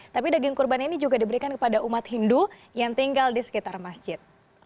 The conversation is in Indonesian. tapi daging kurban ini juga diberikan kepada umat hindu yang tinggal di sekitar masjid